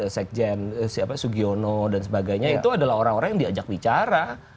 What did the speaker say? sekjen sugiono dan sebagainya itu adalah orang orang yang diajak bicara